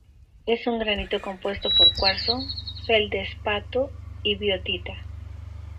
Es un granito compuesto por cuarzo, feldespato y biotita.